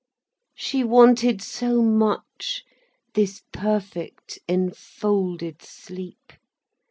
She wanted so much this perfect enfolded sleep.